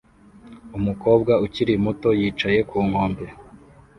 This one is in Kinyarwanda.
Umukobwa ukiri muto yicaye ku nkombe